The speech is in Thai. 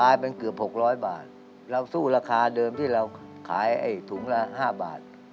เราสู้ราคาเดิมที่เราขายถุงละ๕บาท